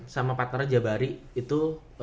sama partnernya jabari itu